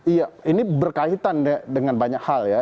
iya ini berkaitan dengan banyak hal ya